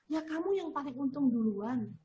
ya kamu yang paling untung duluan